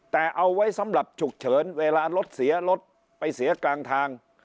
แต่เอาไว้สำหรับฉุกเฉินเวลารถเสียรถไปเสียกลางทาง